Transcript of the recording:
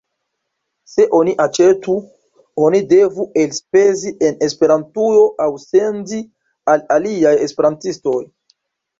Se oni aĉetu, oni devu elspezi en Esperantujo aŭ sendi al aliaj esperantistoj.